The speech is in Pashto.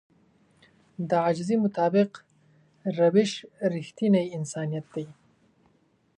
د عاجزي مطابق روش رښتينی انسانيت دی.